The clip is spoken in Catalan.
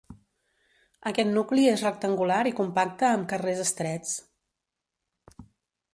Aquest nucli és rectangular i compacte amb carrers estrets.